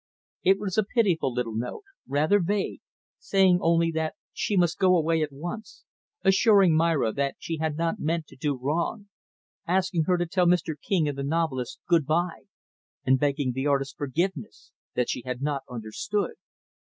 It was a pitiful little note rather vague saying only that she must go away at once; assuring Myra that she had not meant to do wrong; asking her to tell Mr. King and the novelist good by; and begging the artist's forgiveness that she had not understood.